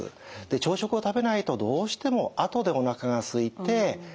朝食を食べないとどうしてもあとでおなかがすいて食べる。